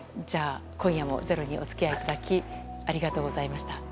じゃあ、今夜も「ｚｅｒｏ」にお付き合いいただきありがとうございました。